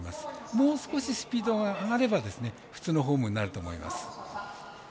もう少しスピードが上がれば普通のフォームになると思います。